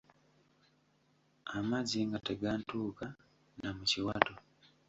Amazzi nga tegantuuka na mu kiwato.